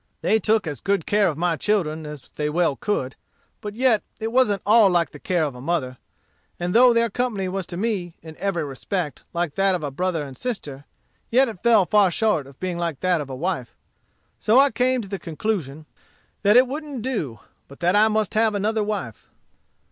They took as good care of my children as they well could; but yet it wasn't all like the care of a mother. And though their company was to me, in every respect, like that of a brother and sister, yet it fell far short of being like that of a wife. So I came to the conclusion that it wouldn't do, but that I must have another wife."